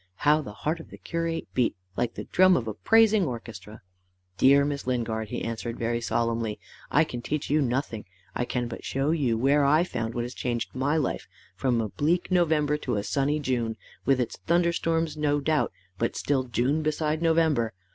How the heart of the curate beat like the drum of a praising orchestra! "Dear Miss Lingard," he answered, very solemnly, "I can teach you nothing; I can but show you where I found what has changed my life from a bleak November to a sunny June with its thunder storms no doubt but still June beside November.